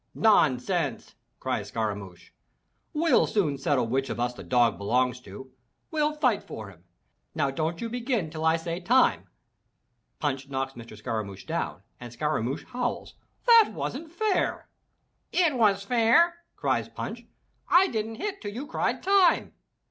"Nonsense!" cries Scaramouch. "We'll soon settle which of us the dog belongs to. We'll fight for him. Now don't you begin till I say Time!'" Punch knocks Mr. Scaramouch down and Scaramouch howls, "That wasn't fair!" "It was fair!" cries Punch, "I didn't hit till you cried Time.'